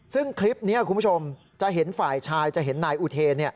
ซึ่งคลิปนี้คุณผู้ชมจะเห็นฝ่ายชายจะเห็นนายอุเทน